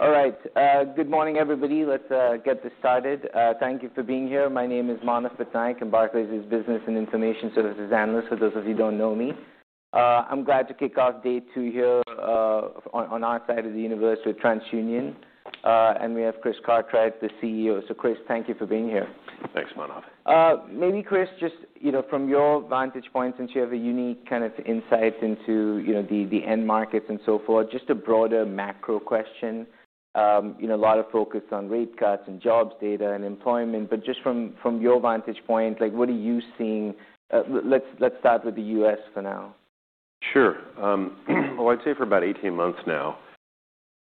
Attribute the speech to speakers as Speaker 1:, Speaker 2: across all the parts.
Speaker 1: All right. Good morning, everybody. Let's get this started. Thank you for being here. My name is Manu Patnaik. I'm Barclays' Business and Information Services Analyst, for those of you who don't know me. I'm glad to kick off day two here on our side of the universe with TransUnion, and we have Chris Cartwright, the CEO. Chris, thank you for being here.
Speaker 2: Thanks, Manu.
Speaker 1: Maybe, Chris, from your vantage point, since you have a unique kind of insight into the end markets and so forth, just a broader macro question. A lot of focus on rate cuts and jobs data and employment. From your vantage point, what are you seeing? Let's start with the U.S. for now.
Speaker 2: Sure. I'd say for about 18 months now,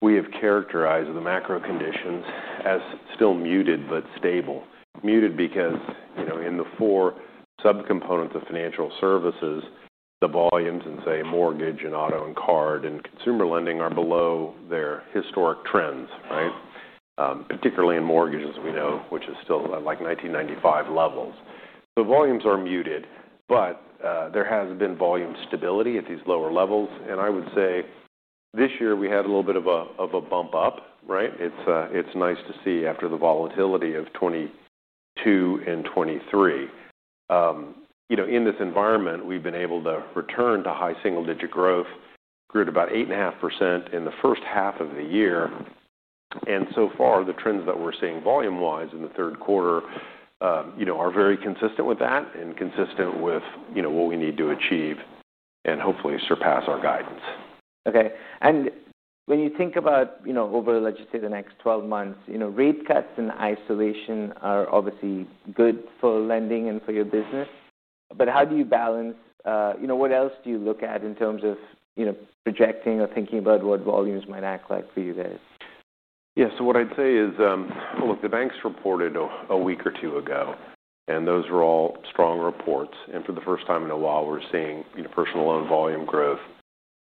Speaker 2: we have characterized the macro conditions as still muted but stable. Muted because, you know, in the four subcomponents of financial services, the volumes in, say, mortgage and auto and car and consumer lending are below their historic trends, right? Particularly in mortgages, which is still at like 1995 levels. The volumes are muted, but there has been volume stability at these lower levels. I would say this year we had a little bit of a bump up, right? It's nice to see after the volatility of 2022 and 2023. In this environment, we've been able to return to high single-digit growth, grew to about 8.5% in the first half of the year. So far, the trends that we're seeing volume-wise in the third quarter are very consistent with that and consistent with what we need to achieve and hopefully surpass our guidance.
Speaker 1: OK. When you think about, over, let's just say, the next 12 months, rate cuts in isolation are obviously good for lending and for your business. How do you balance, what else do you look at in terms of projecting or thinking about what volumes might act like for you guys?
Speaker 2: Yeah. What I'd say is, look, the banks reported a week or two ago, and those were all strong reports. For the first time in a while, we're seeing personal loan volume growth,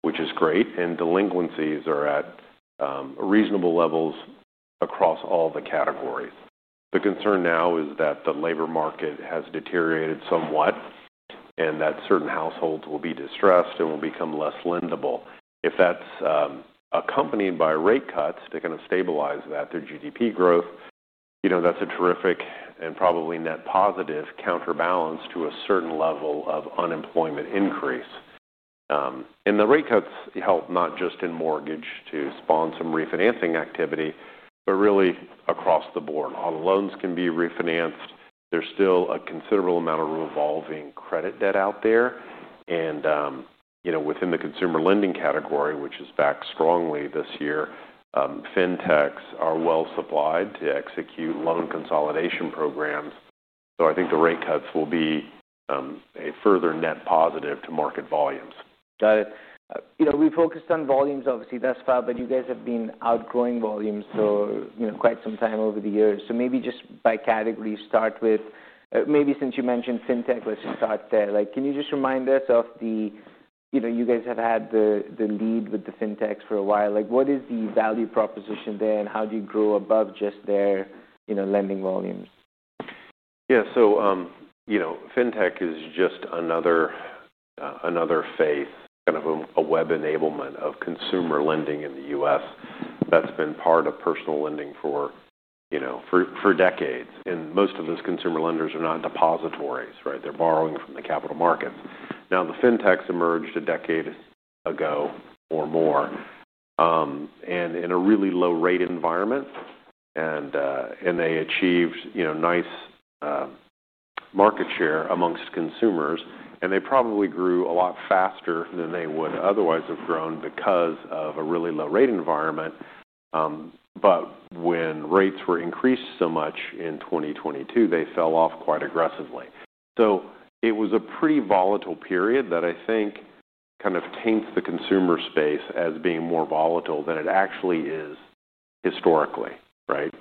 Speaker 2: which is great. Delinquencies are at reasonable levels across all the categories. The concern now is that the labor market has deteriorated somewhat and that certain households will be distressed and will become less lendable. If that's accompanied by rate cuts to kind of stabilize that through GDP growth, that's a terrific and probably net positive counterbalance to a certain level of unemployment increase. The rate cuts help not just in mortgage to spawn some refinancing activity, but really across the board. Auto loans can be refinanced. There's still a considerable amount of revolving credit debt out there. Within the consumer lending category, which is back strongly this year, fintechs are well supplied to execute loan consolidation programs. I think the rate cuts will be a further net positive to market volumes.
Speaker 1: Got it. We focused on volumes, obviously, thus far. You guys have been outgrowing volumes for quite some time over the years. Maybe just by category, you start with maybe since you mentioned fintech list, you thought there, like, can you just remind us of the, you know, you guys have had the lead with the fintechs for a while. What is the value proposition there? How do you grow above just their lending volume?
Speaker 2: Yeah. Fintech is just another phase, kind of a web enablement of consumer lending in the U.S. that's been part of personal lending for decades. Most of those consumer lenders are not depositories, right? They're borrowing from the capital markets. The fintechs emerged a decade ago or more, in a really low-rate environment. They achieved nice market share amongst consumers. They probably grew a lot faster than they would otherwise have grown because of a really low-rate environment. When rates were increased so much in 2022, they fell off quite aggressively. It was a pretty volatile period that I think kind of taints the consumer space as being more volatile than it actually is historically, right?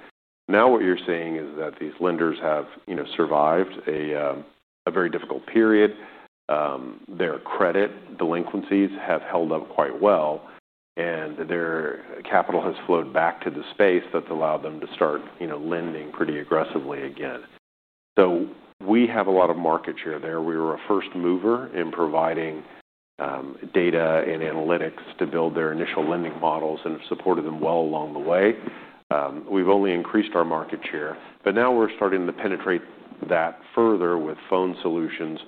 Speaker 2: What you're saying is that these lenders have survived a very difficult period. Their credit delinquencies have held up quite well. Their capital has flowed back to the space that's allowed them to start lending pretty aggressively again. We have a lot of market share there. We were a first mover in providing data and analytics to build their initial lending models and have supported them well along the way. We've only increased our market share. Now we're starting to penetrate that further with phone solutions,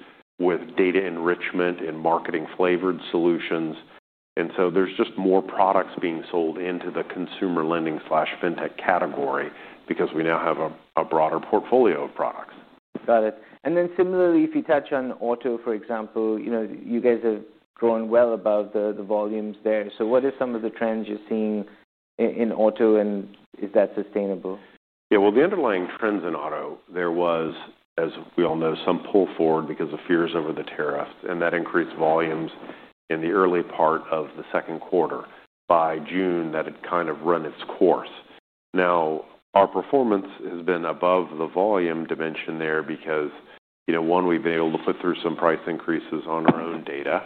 Speaker 2: with data enrichment and marketing-flavored solutions. There's just more products being sold into the consumer lending/fintech category because we now have a broader portfolio of products.
Speaker 1: Got it. If you touch on auto, for example, you know, you guys have grown well above the volumes there. What are some of the trends you're seeing in auto? Is that sustainable?
Speaker 2: Yeah. The underlying trends in auto, there was, as we all know, some pull forward because of fears over the tariffs. That increased volumes in the early part of the second quarter. By June, that had kind of run its course. Our performance has been above the volume dimension there because, you know, one, we've been able to put through some price increases on our own data.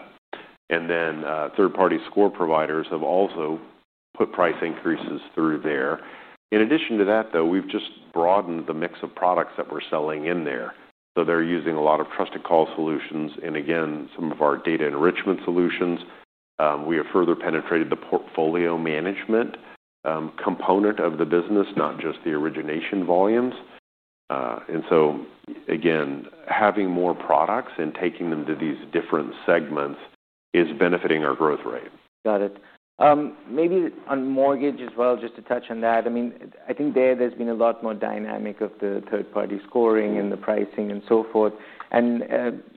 Speaker 2: Third-party score providers have also put price increases through there. In addition to that, we've just broadened the mix of products that we're selling in there. They're using a lot of trusted call solutions and, again, some of our data enrichment solutions. We have further penetrated the portfolio management component of the business, not just the origination volumes. Again, having more products and taking them to these different segments is benefiting our growth rate.
Speaker 1: Got it. Maybe on mortgage as well, just to touch on that. I think there's been a lot more dynamic of the third-party scoring and the pricing and so forth.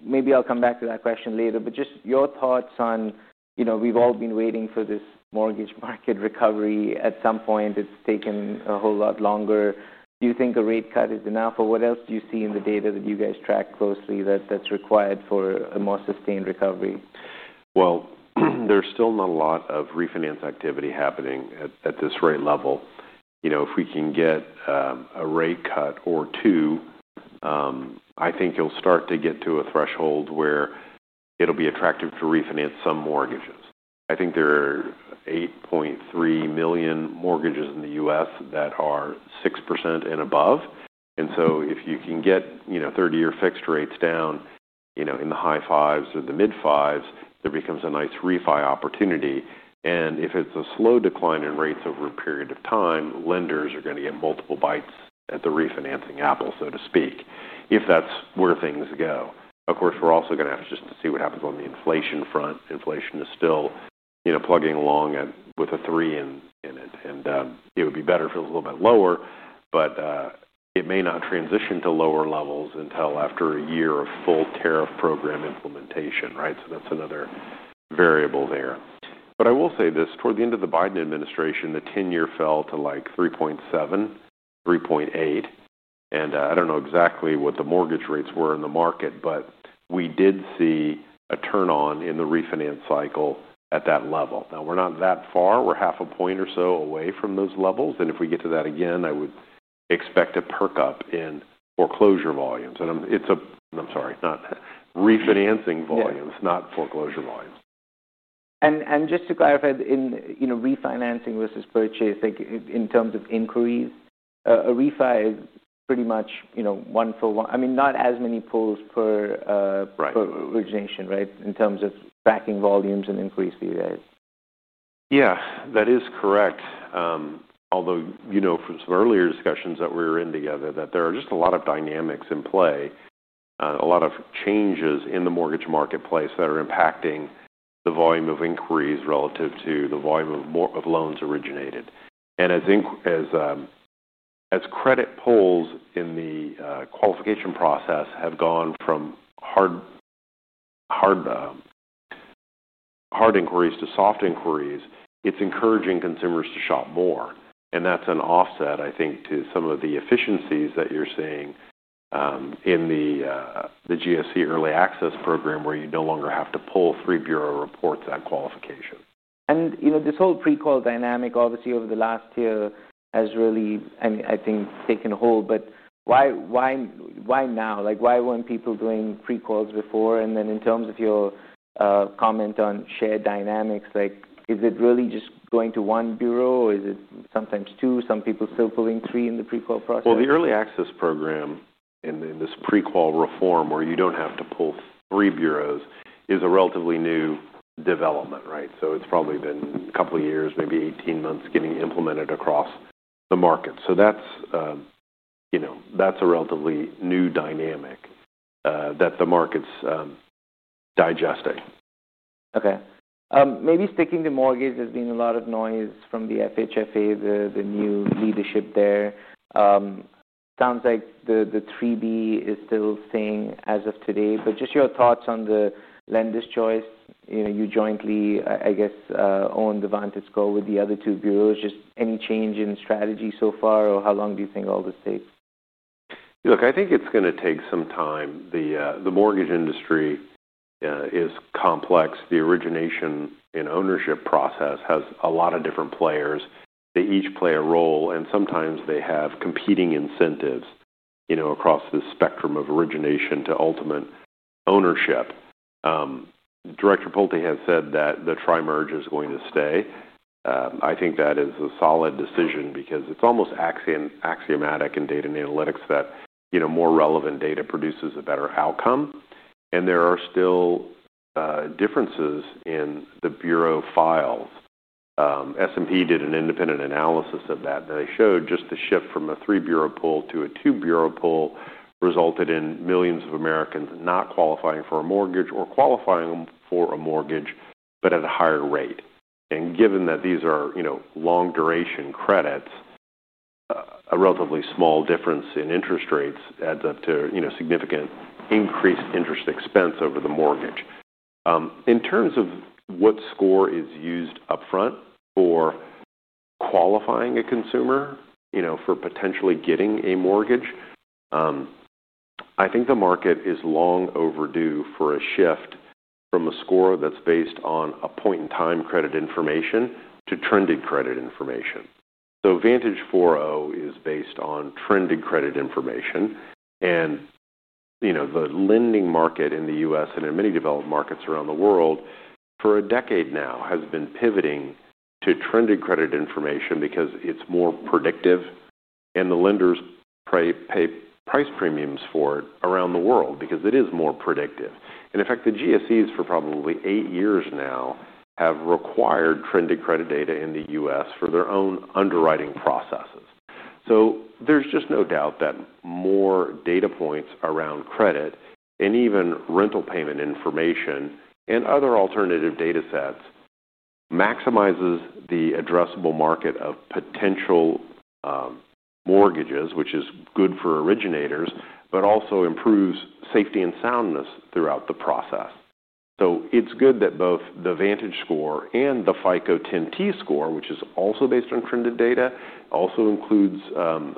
Speaker 1: Maybe I'll come back to that question later. Just your thoughts on, you know, we've all been waiting for this mortgage market recovery. At some point, it's taken a whole lot longer. Do you think a rate cut is enough? What else do you see in the data that you guys track closely that's required for a more sustained recovery?
Speaker 2: There is still not a lot of refinance activity happening at this rate level. If we can get a rate cut or two, I think you'll start to get to a threshold where it'll be attractive to refinance some mortgages. I think there are 8.3 million mortgages in the U.S. that are 6% and above. If you can get 30-year fixed rates down in the high fives or the mid fives, there becomes a nice refi opportunity. If it's a slow decline in rates over a period of time, lenders are going to get multiple bites at the refinancing apple, so to speak, if that's where things go. Of course, we also have to just see what happens on the inflation front. Inflation is still plugging along with a three in it. It would be better if it was a little bit lower. It may not transition to lower levels until after a year of full tariff program implementation, right? That is another variable there. I will say this. Toward the end of the Biden administration, the 10-year fell to like 3.7, 3.8. I don't know exactly what the mortgage rates were in the market. We did see a turn on in the refinance cycle at that level. Now, we're not that far. We're half a point or so away from those levels. If we get to that again, I would expect a perk up in refinancing volumes. I'm sorry, not foreclosure volumes, refinancing volumes.
Speaker 1: Just to clarify, in refinancing versus purchase, in terms of inquiries, a refi is pretty much one full one. I mean, not as many pulls per origination, right, in terms of backing volumes and inquiries for you guys.
Speaker 2: Yeah, that is correct. Although, you know from some earlier discussions that we were in together, there are just a lot of dynamics in play, a lot of changes in the mortgage marketplace that are impacting the volume of inquiries relative to the volume of loans originated. As credit pulls in the qualification process have gone from hard inquiries to soft inquiries, it's encouraging consumers to shop more. That's an offset, I think, to some of the efficiencies that you're seeing in the GSE early access program where you no longer have to pull three bureau reports at qualification.
Speaker 1: This whole pre-call dynamic, obviously, over the last year has really, I think, taken hold. Why now? Why weren't people doing pre-calls before? In terms of your comment on shared dynamics, is it really just going to one bureau? Is it sometimes two? Some people still pulling three in the pre-call process?
Speaker 2: The early access program in this pre-call reform where you don't have to pull three bureaus is a relatively new development, right? It's probably been a couple of years, maybe 18 months, getting implemented across the market. That's a relatively new dynamic that the market's digesting.
Speaker 1: OK. Maybe sticking to mortgage, there's been a lot of noise from the FHFA, the new leadership there. It sounds like the 3B is still staying as of today. Just your thoughts on the lender's choice. You jointly, I guess, own the VantageScore with the other two bureaus. Just any change in strategy so far? How long do you think all this takes?
Speaker 2: Look, I think it's going to take some time. The mortgage industry is complex. The origination and ownership process has a lot of different players. They each play a role. Sometimes they have competing incentives, you know, across the spectrum of origination to ultimate ownership. Director Pulty has said that the tri-merge is going to stay. I think that is a solid decision because it's almost axiomatic in data and analytics that more relevant data produces a better outcome. There are still differences in the bureau files. S&P did an independent analysis of that. They showed just the shift from a three-bureau pull to a two-bureau pull resulted in millions of Americans not qualifying for a mortgage or qualifying for a mortgage but at a higher rate. Given that these are long-duration credits, a relatively small difference in interest rates adds up to significant increased interest expense over the mortgage. In terms of what score is used upfront for qualifying a consumer for potentially getting a mortgage, I think the market is long overdue for a shift from a score that's based on a point in time credit information to trended credit information. VantageScore 4.0 is based on trended credit information. The lending market in the U.S. and in many developed markets around the world for a decade now has been pivoting to trended credit information because it's more predictive. The lenders pay price premiums for it around the world because it is more predictive. In fact, the GSEs for probably eight years now have required trended credit data in the U.S. for their own underwriting processes. There is just no doubt that more data points around credit and even rental payment information and other alternative data sets maximize the addressable market of potential mortgages, which is good for originators, but also improves safety and soundness throughout the process. It is good that both the VantageScore and the FICO 10T score, which is also based on trended data and also includes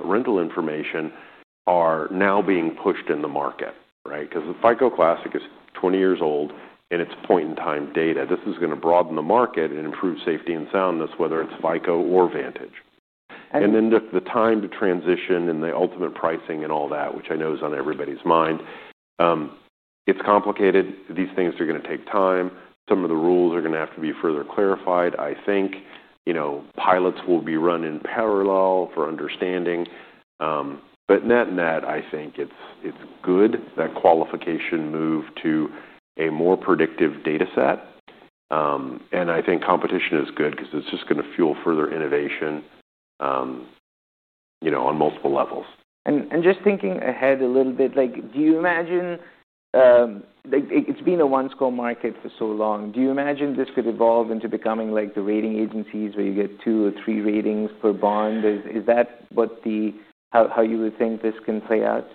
Speaker 2: rental information, are now being pushed in the market, right? The FICO Classic is 20 years old. It's point in time data. This is going to broaden the market and improve safety and soundness, whether it's FICO or VantageScore. The time to transition and the ultimate pricing and all that, which I know is on everybody's mind, it's complicated. These things are going to take time. Some of the rules are going to have to be further clarified, I think. Pilots will be run in parallel for understanding. In that, I think it's good, that qualification move to a more predictive data set. I think competition is good because it's just going to fuel further innovation on multiple levels.
Speaker 1: Just thinking ahead a little bit, do you imagine, like, it's been a one-score market for so long. Do you imagine this could evolve into becoming like the rating agencies where you get two or three ratings for bonds? Is that how you would think this can play out?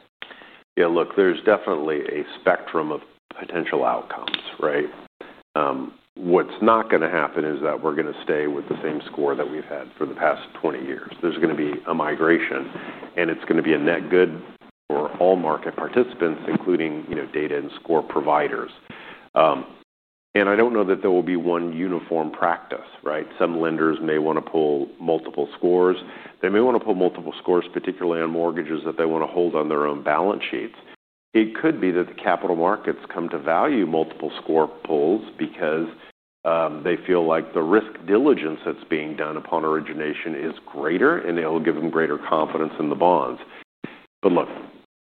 Speaker 2: Yeah, look, there's definitely a spectrum of potential outcomes, right? What's not going to happen is that we're going to stay with the same score that we've had for the past 20 years. There's going to be a migration. It's going to be a net good for all market participants, including, you know, data and score providers. I don't know that there will be one uniform practice, right? Some lenders may want to pull multiple scores. They may want to pull multiple scores, particularly on mortgages that they want to hold on their own balance sheets. It could be that the capital markets come to value multiple score pulls because they feel like the risk diligence that's being done upon origination is greater. It will give them greater confidence in the bonds. Look,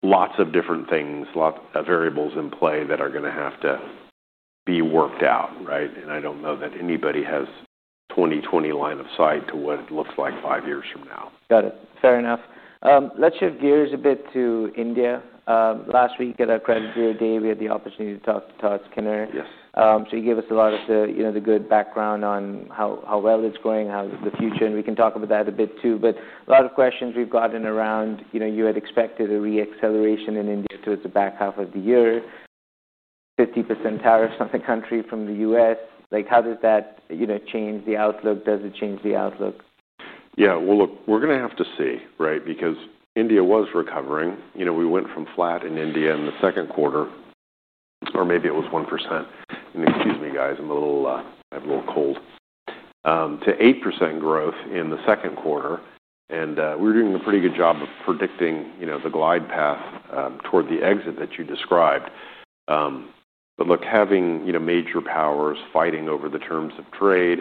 Speaker 2: lots of different things, lots of variables in play that are going to have to be worked out, right? I don't know that anybody has a 2020 line of sight to what it looks like five years from now.
Speaker 1: Got it. Fair enough. Let's shift gears a bit to India. Last week at our Credit Bureau Day, we had the opportunity to talk to Todd Skinner.
Speaker 2: Yes.
Speaker 1: He gave us a lot of the good background on how well it's going, how the future. We can talk about that a bit too. A lot of questions we've gotten around, you had expected a reacceleration in India towards the back half of the year, 50% tariffs on the country from the U.S. How does that change the outlook? Does it change the outlook?
Speaker 2: Yeah. Look, we're going to have to see, right? Because India was recovering. We went from flat in India in the second quarter, or maybe it was 1%. Excuse me, guys, I have a little cold, to 8% growth in the second quarter. We're doing a pretty good job of predicting the glide path toward the exit that you described. Having major powers fighting over the terms of trade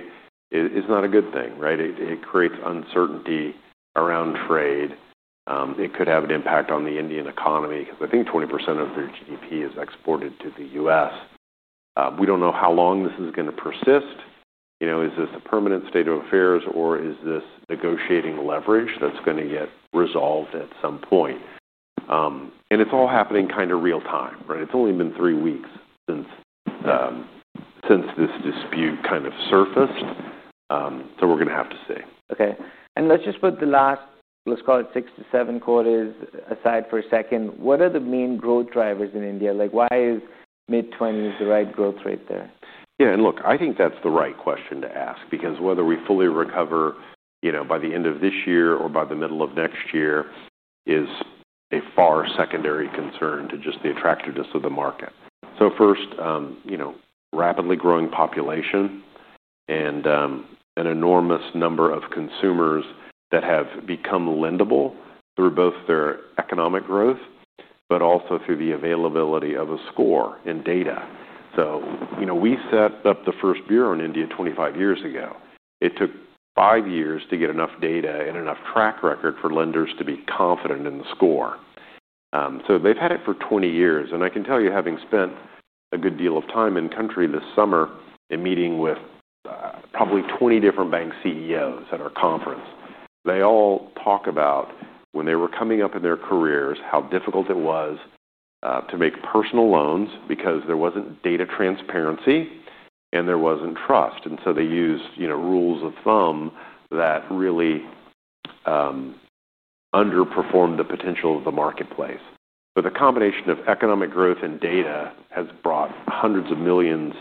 Speaker 2: is not a good thing, right? It creates uncertainty around trade. It could have an impact on the Indian economy. I think 20% of their GDP is exported to the U.S. We don't know how long this is going to persist. Is this a permanent state of affairs? Or is this negotiating leverage that's going to get resolved at some point? It's all happening kind of real time, right? It's only been three weeks since this dispute kind of surfaced. We're going to have to see.
Speaker 1: OK. Let's just put the last, let's call it six to seven quarters aside for a second. What are the main growth drivers in India? Why is mid-20s the right growth rate there?
Speaker 2: Yeah. I think that's the right question to ask. Whether we fully recover by the end of this year or by the middle of next year is a far secondary concern to just the attractiveness of the market. First, rapidly growing population and an enormous number of consumers that have become lendable through both their economic growth but also through the availability of a score and data. We set up the first credit bureau in India 25 years ago. It took five years to get enough data and enough track record for lenders to be confident in the score. They've had it for 20 years. I can tell you, having spent a good deal of time in the country this summer and meeting with probably 20 different bank CEOs at our conference, they all talk about when they were coming up in their careers how difficult it was to make personal loans because there wasn't data transparency. There wasn't trust. They used rules of thumb that really underperformed the potential of the marketplace. The combination of economic growth and data has brought hundreds of millions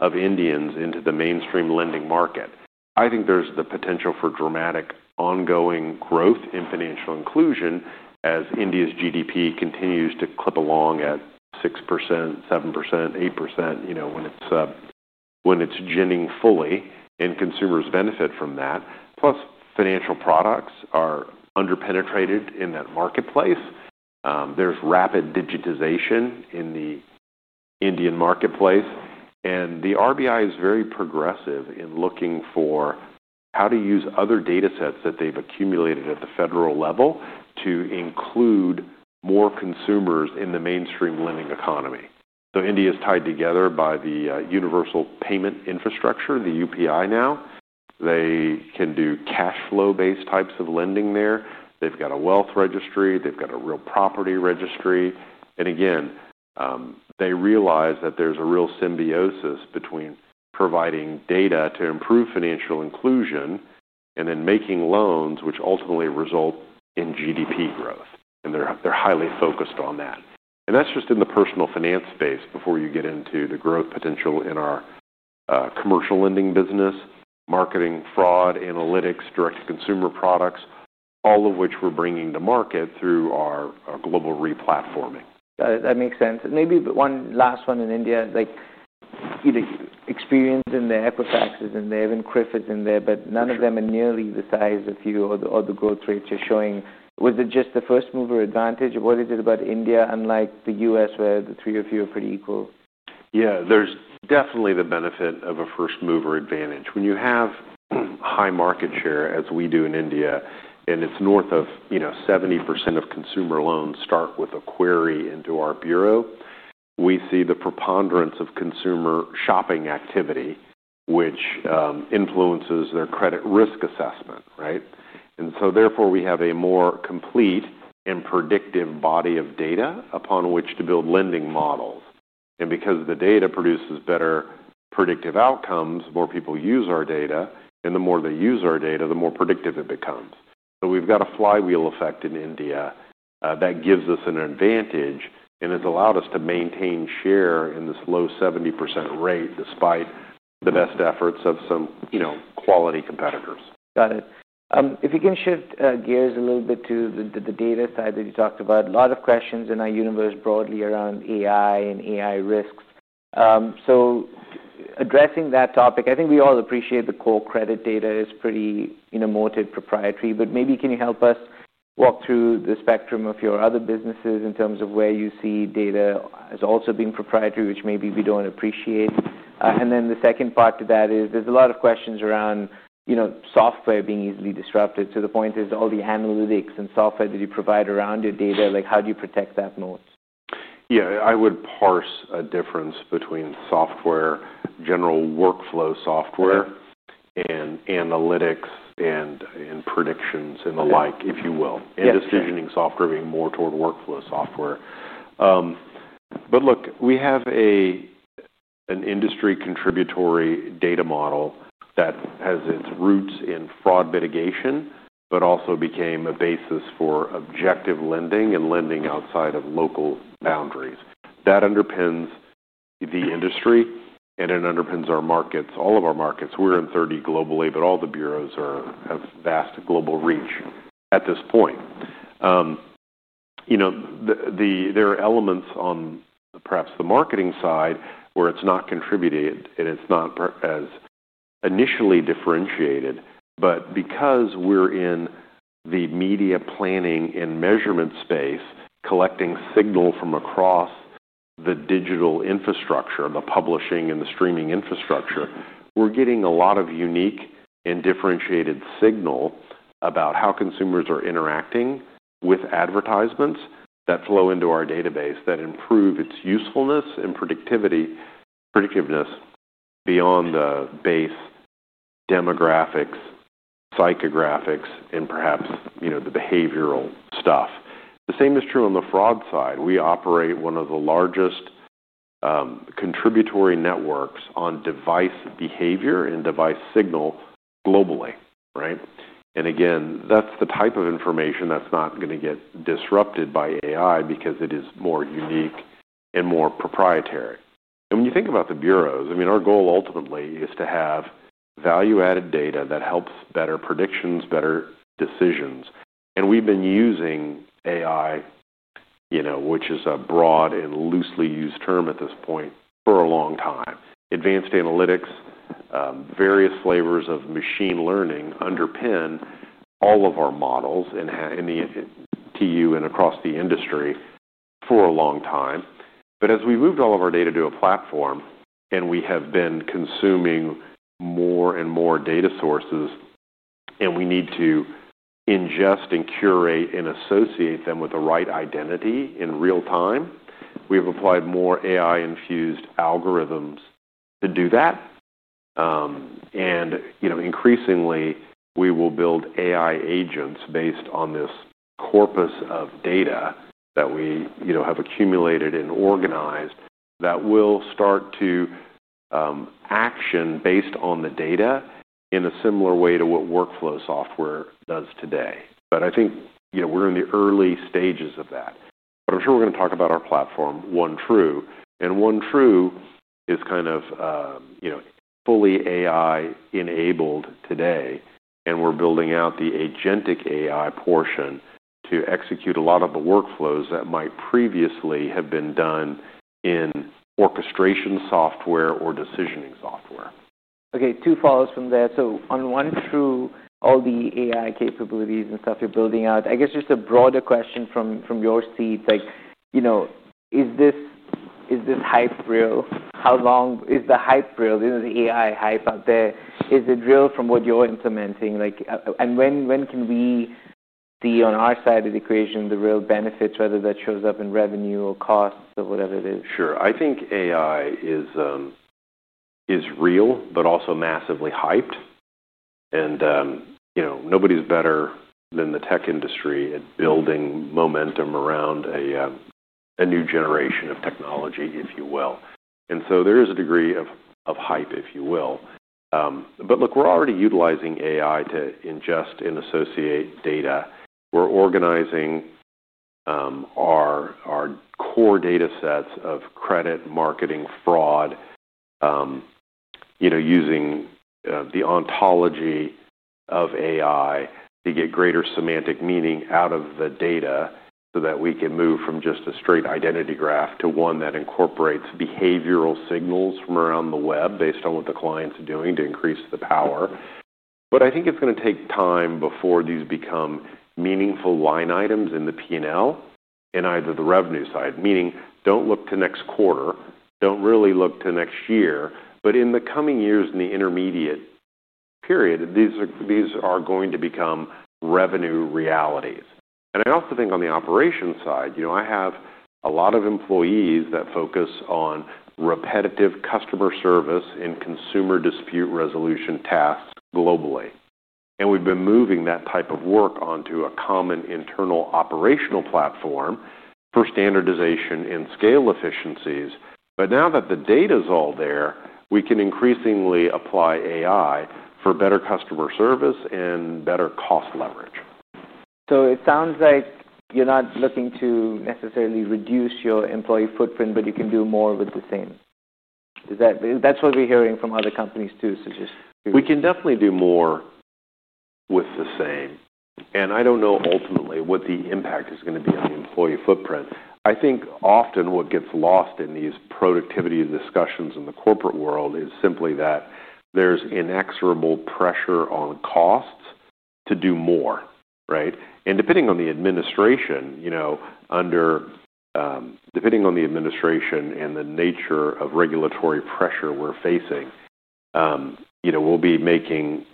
Speaker 2: of Indians into the mainstream lending market. I think there's the potential for dramatic ongoing growth in financial inclusion as India's GDP continues to clip along at 6%, 7%, 8% when it's ginning fully. Consumers benefit from that. Plus, financial products are underpenetrated in that marketplace. There's rapid digitization in the Indian marketplace. The RBI is very progressive in looking for how to use other data sets that they've accumulated at the federal level to include more consumers in the mainstream lending economy. India is tied together by the Universal Payment Infrastructure, the UPI, now. They can do cash flow-based types of lending there. They've got a wealth registry. They've got a real property registry. They realize that there's a real symbiosis between providing data to improve financial inclusion and then making loans, which ultimately result in GDP growth. They're highly focused on that. That's just in the personal finance space before you get into the growth potential in our commercial lending business, marketing, fraud, analytics, direct-to-consumer products, all of which we're bringing to market through our global replatforming.
Speaker 1: Got it. That makes sense. Maybe one last one in India. You know, Experian and Equifax are in there, and CRIF is in there, but none of them are nearly the size of you or the growth rates you're showing. Was it just the first mover advantage or what is it about India, unlike the U.S. where the three of you are pretty equal?
Speaker 2: Yeah, there's definitely the benefit of a first mover advantage. When you have high market share, as we do in India, and it's north of 70% of consumer loans start with a query into our bureau, we see the preponderance of consumer shopping activity, which influences their credit risk assessment, right? Therefore, we have a more complete and predictive body of data upon which to build lending models. Because the data produces better predictive outcomes, more people use our data. The more they use our data, the more predictive it becomes. We've got a flywheel effect in India that gives us an advantage. It's allowed us to maintain share in this low 70% rate despite the best efforts of some, you know, quality competitors.
Speaker 1: Got it. If we can shift gears a little bit to the data side that you talked about, a lot of questions in our universe broadly around AI and AI risks. Addressing that topic, I think we all appreciate the core credit data is pretty motivated, proprietary. Maybe can you help us walk through the spectrum of your other businesses in terms of where you see data as also being proprietary, which maybe we don't appreciate? The second part to that is there's a lot of questions around, you know, software being easily disrupted. The point is all the analytics and software that you provide around your data, like, how do you protect that moat?
Speaker 2: Yeah, I would parse a difference between software, general workflow software, and analytics and predictions and the like, if you will, and decisioning software being more toward workflow software. Look, we have an industry contributory data model that has its roots in fraud mitigation but also became a basis for objective lending and lending outside of local boundaries. That underpins the industry, and it underpins our markets, all of our markets. We're in 30 globally. All the bureaus have vast global reach at this point. There are elements on perhaps the marketing side where it's not contributed, and it's not as initially differentiated. Because we're in the media planning and measurement space, collecting signal from across the digital infrastructure, the publishing and the streaming infrastructure, we're getting a lot of unique and differentiated signal about how consumers are interacting with advertisements that flow into our database that improve its usefulness and predictiveness beyond the base demographics, psychographics, and perhaps the behavioral stuff. The same is true on the fraud side. We operate one of the largest contributory networks on device behavior and device signal globally, right? Again, that's the type of information that's not going to get disrupted by AI because it is more unique and more proprietary. When you think about the bureaus, our goal ultimately is to have value-added data that helps better predictions, better decisions. We've been using AI, which is a broad and loosely used term at this point, for a long time. Advanced analytics, various flavors of machine learning underpin all of our models and TransUnion and across the industry for a long time. As we moved all of our data to a platform and we have been consuming more and more data sources and we need to ingest and curate and associate them with the right identity in real time, we've applied more AI-infused algorithms to do that. Increasingly, we will build AI agents based on this corpus of data that we have accumulated and organized that will start to action based on the data in a similar way to what workflow software does today. I think we're in the early stages of that. I'm sure we're going to talk about our platform, One True. One True is kind of fully AI-enabled today, and we're building out the agentic AI portion to execute a lot of the workflows that might previously have been done in orchestration software or decisioning software.
Speaker 1: OK. Two follows from that. On One True, all the AI capabilities and stuff you're building out, I guess just a broader question from your seat. Like, you know, is this hype real? How long is the hype real? Is the AI hype out there? Is it real from what you're implementing? When can we see on our side of the equation the real benefits, whether that shows up in revenue or costs or whatever it is?
Speaker 2: Sure. I think AI is real but also massively hyped. You know, nobody's better than the tech industry at building momentum around a new generation of technology, if you will. There is a degree of hype, if you will. Look, we're already utilizing AI to ingest and associate data. We're organizing our core data sets of credit, marketing, fraud using the ontology of AI to get greater semantic meaning out of the data so that we can move from just a straight identity graph to one that incorporates behavioral signals from around the web based on what the client's doing to increase the power. I think it's going to take time before these become meaningful line items in the P&L and either the revenue side, meaning don't look to next quarter, don't really look to next year. In the coming years in the intermediate period, these are going to become revenue realities. I also think on the operations side, I have a lot of employees that focus on repetitive customer service and consumer dispute resolution tasks globally. We've been moving that type of work onto a common internal operational platform for standardization and scale efficiencies. Now that the data is all there, we can increasingly apply AI for better customer service and better cost leverage.
Speaker 1: It sounds like you're not looking to necessarily reduce your employee footprint, but you can do more with the same. That's what we're hearing from other companies too.
Speaker 2: We can definitely do more with the same. I don't know ultimately what the impact is going to be on the employee footprint. I think often what gets lost in these productivity discussions in the corporate world is simply that there's inexorable pressure on costs to do more, right? Depending on the administration and the nature of regulatory pressure we're facing, we'll be making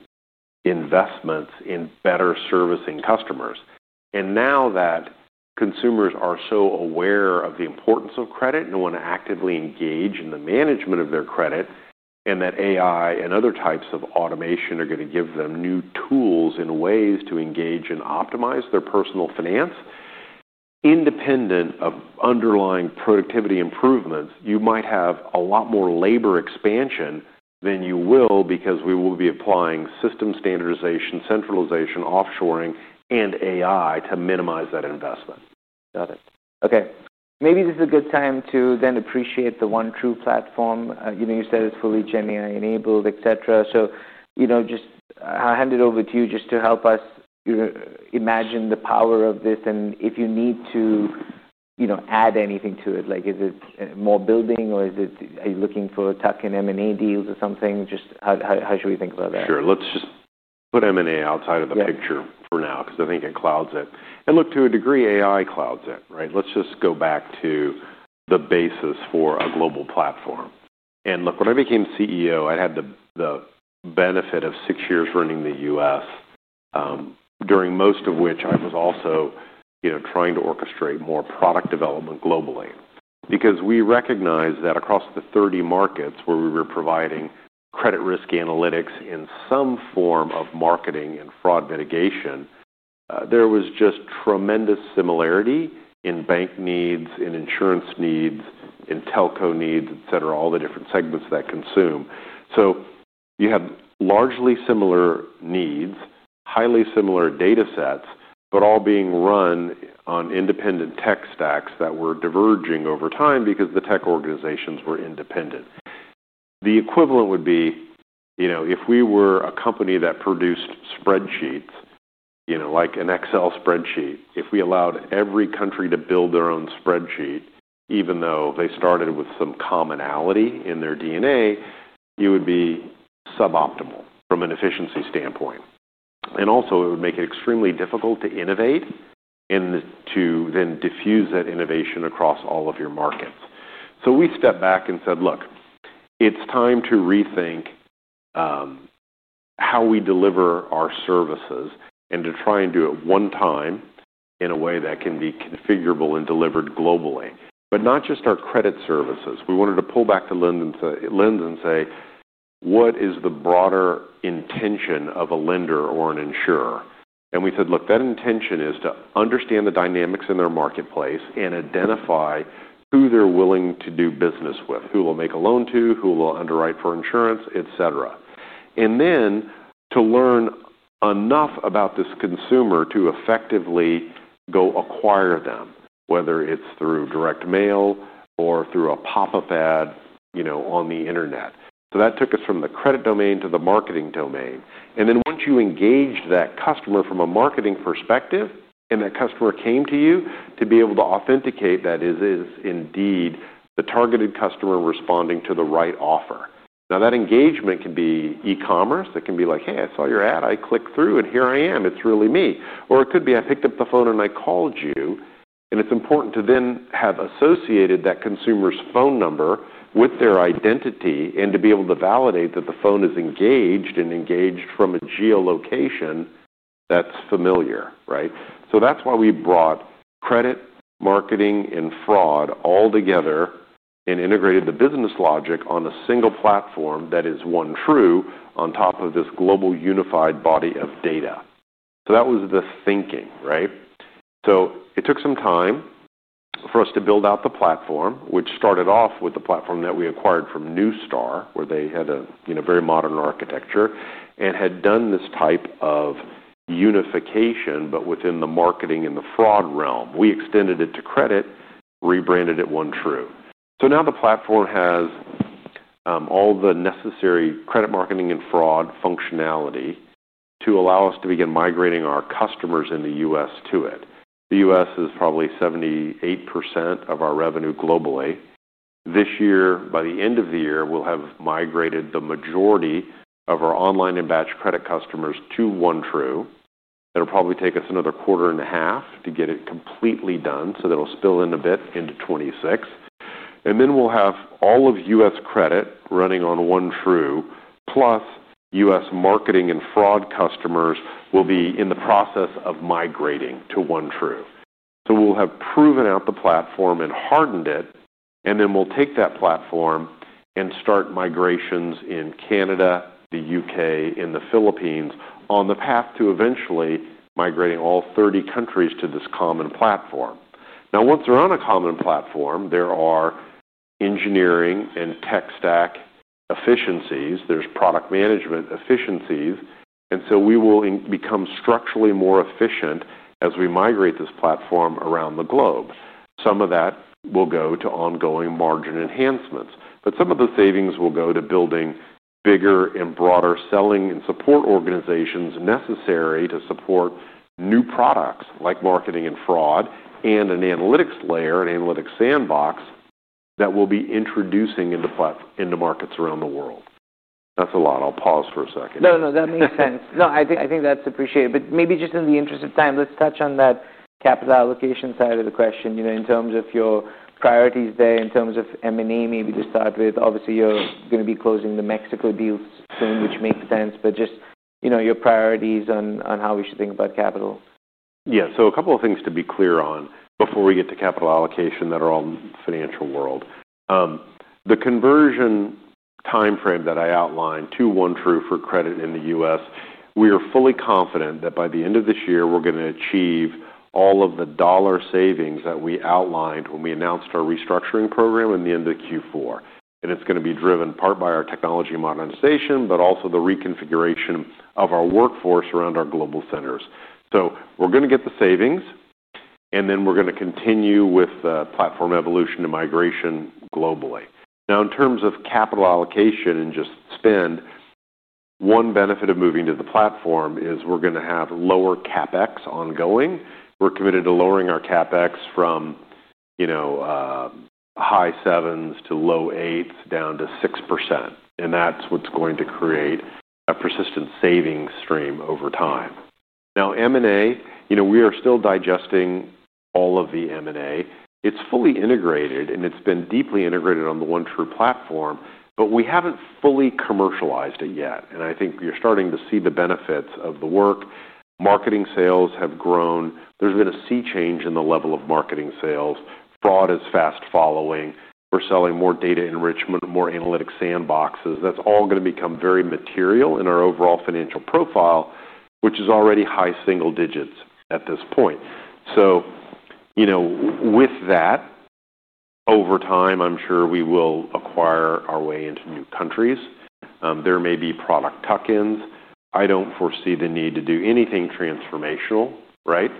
Speaker 2: investments in better servicing customers. Now that consumers are so aware of the importance of credit and want to actively engage in the management of their credit and that AI and other types of automation are going to give them new tools and ways to engage and optimize their personal finance, independent of underlying productivity improvements, you might have a lot more labor expansion than you will because we will be applying system standardization, centralization, offshoring, and AI to minimize that investment.
Speaker 1: Got it. OK. Maybe this is a good time to appreciate the One True platform. You said it's fully GenAI-enabled, et cetera. I'll hand it over to you to help us imagine the power of this. If you need to add anything to it, like, is it more building, or are you looking for tuck-in M&A deals or something? How should we think about that?
Speaker 2: Sure. Let's just put M&A outside of the picture for now because I think it clouds it. To a degree, AI clouds it, right? Let's just go back to the basis for a global platform. When I became CEO, I had the benefit of six years running the U.S., during most of which I was also trying to orchestrate more product development globally. We recognize that across the 30 markets where we were providing credit risk analytics and some form of marketing and fraud mitigation, there was just tremendous similarity in bank needs, insurance needs, telco needs, et cetera, all the different segments that consume. You have largely similar needs, highly similar data sets, but all being run on independent tech stacks that were diverging over time because the tech organizations were independent. The equivalent would be if we were a company that produced spreadsheets, like an Excel spreadsheet, if we allowed every country to build their own spreadsheet, even though they started with some commonality in their DNA, it would be suboptimal from an efficiency standpoint. It would also make it extremely difficult to innovate and to then diffuse that innovation across all of your markets. We stepped back and said it's time to rethink how we deliver our services and to try and do it one time in a way that can be configurable and delivered globally, but not just our credit services. We wanted to pull back the lens and say, what is the broader intention of a lender or an insurer? We said that intention is to understand the dynamics in their marketplace and identify who they're willing to do business with, who will make a loan to, who will underwrite for insurance, et cetera. Then to learn enough about this consumer to effectively go acquire them, whether it's through direct mail or through a pop-up ad on the internet. That took us from the credit domain to the marketing domain. Once you engaged that customer from a marketing perspective and that customer came to you, to be able to authenticate that it is indeed the targeted customer responding to the right offer. That engagement can be e-commerce. It can be like, hey, I saw your ad. I clicked through it. Here I am. It's really me. Or it could be I picked up the phone and I called you. It is important to then have associated that consumer's phone number with their identity and to be able to validate that the phone is engaged and engaged from a geolocation that's familiar, right? That is why we brought credit, marketing, and fraud all together and integrated the business logic on a single platform that is One True on top of this global unified body of data. That was the thinking, right? It took some time for us to build out the platform, which started off with the platform that we acquired from NuStar, where they had a very modern architecture and had done this type of unification, but within the marketing and the fraud realm. We extended it to credit, rebranded it One True. Now the platform has all the necessary credit, marketing, and fraud functionality to allow us to begin migrating our customers in the U.S. to it. The U.S. is probably 78% of our revenue globally. This year, by the end of the year, we'll have migrated the majority of our online and batch credit customers to One True. That will probably take us another quarter and a half to get it completely done. That will spill in a bit into 2026. Then we'll have all of U.S. credit running on One True, plus U.S. marketing and fraud customers will be in the process of migrating to One True. We will have proven out the platform and hardened it. We will take that platform and start migrations in Canada, the UK, and the Philippines on the path to eventually migrating all 30 countries to this common platform. Once they're on a common platform, there are engineering and tech stack efficiencies. There are product management efficiencies. We will become structurally more efficient as we migrate this platform around the globe. Some of that will go to ongoing margin enhancements. Some of the savings will go to building bigger and broader selling and support organizations necessary to support new products like marketing and fraud and an analytics layer, an analytics sandbox that we'll be introducing into markets around the world. That's a lot. I'll pause for a second.
Speaker 1: No, that makes sense. I think that's appreciated. Maybe just in the interest of time, let's touch on that capital allocation side of the question, in terms of your priorities there, in terms of M&A. Maybe to start with, obviously, you're going to be closing the Mexico deal soon, which makes sense. Just your priorities on how we should think about capital.
Speaker 2: Yeah. A couple of things to be clear on before we get to capital allocation that are all in the financial world. The conversion time frame that I outlined to One True for credit in the U.S., we are fully confident that by the end of this year, we're going to achieve all of the dollar savings that we outlined when we announced our restructuring program at the end of Q4. It's going to be driven in part by our technology modernization, but also the reconfiguration of our workforce around our global centers. We're going to get the savings, and we're going to continue with the platform evolution and migration globally. Now, in terms of capital allocation and just spend, one benefit of moving to the platform is we're going to have lower CapEx ongoing. We're committed to lowering our CapEx from, you know, high sevens to low eights, down to 6%. That's what's going to create a persistent savings stream over time. M&A, you know, we are still digesting all of the M&A. It's fully integrated, and it's been deeply integrated on the One True platform. We haven't fully commercialized it yet. I think you're starting to see the benefits of the work. Marketing sales have grown. There's been a sea change in the level of marketing sales. Fraud is fast following. We're selling more data enrichment, more analytic sandboxes. That's all going to become very material in our overall financial profile, which is already high single digits at this point. Over time, I'm sure we will acquire our way into new countries. There may be product tuck-ins. I don't foresee the need to do anything transformational, right?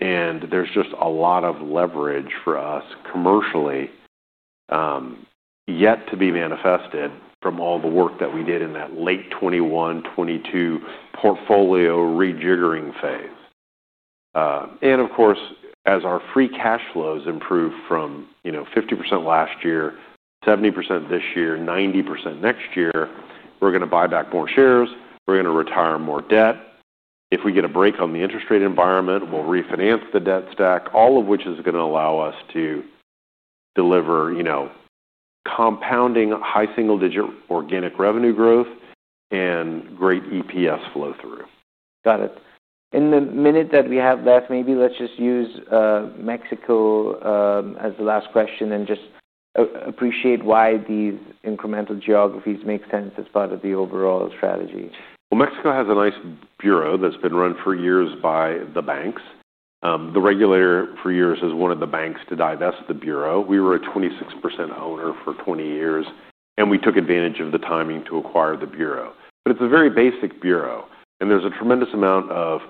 Speaker 2: There's just a lot of leverage for us commercially yet to be manifested from all the work that we did in that late 2021, 2022 portfolio rejiggering phase. Of course, as our free cash flows improve from, you know, 50% last year, 70% this year, 90% next year, we're going to buy back more shares. We're going to retire more debt. If we get a break on the interest rate environment, we'll refinance the debt stack, all of which is going to allow us to deliver compounding high single-digit organic revenue growth and great EPS flow through.
Speaker 1: Got it. In the minute that we have left, maybe let's just use Mexico as the last question and just appreciate why these incremental geographies make sense as part of the overall strategy.
Speaker 2: Mexico has a nice bureau that's been run for years by the banks. The regulator for years has wanted the banks to divest the bureau. We were a 26% owner for 20 years, and we took advantage of the timing to acquire the bureau. It's a very basic bureau, and there's a tremendous amount of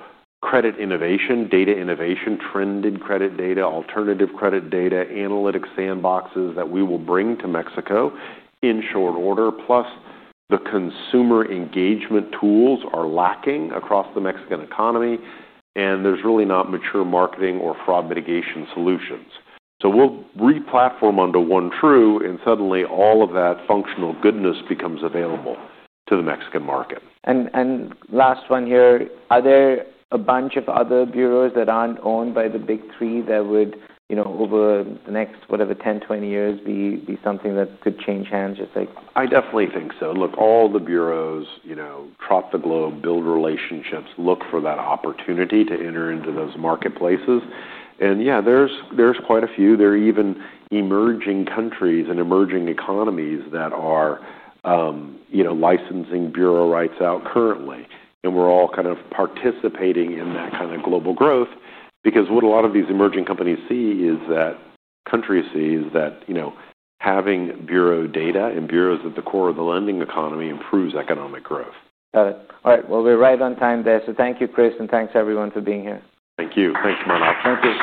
Speaker 2: credit innovation, data innovation, trended credit data, alternative credit data, analytic sandboxes that we will bring to Mexico in short order. Plus, the consumer engagement tools are lacking across the Mexican economy, and there's really not mature marketing or fraud mitigation solutions. We'll replatform onto One True, and suddenly, all of that functional goodness becomes available to the Mexican market.
Speaker 1: Is there a bunch of other bureaus that aren't owned by the big three that would, you know, over the next, whatever, 10, 20 years be something that could change hands just like?
Speaker 2: I definitely think so. Look, all the bureaus across the globe build relationships, look for that opportunity to enter into those marketplaces. Yeah, there's quite a few. There are even emerging countries and emerging economies that are licensing bureau rights out currently. We're all kind of participating in that kind of global growth because what a lot of these emerging countries see is that having bureau data and bureaus at the core of the lending economy improves economic growth.
Speaker 1: Got it. All right. We're right on time there. Thank you, Chris. Thanks, everyone, for being here.
Speaker 2: Thank you. Thank you, Manu.
Speaker 1: Thank you.